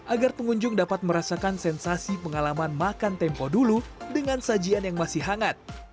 agar pengunjung dapat merasakan sensasi pengalaman makan tempo dulu dengan sajian yang masih hangat